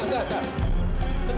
tengah tengah tengah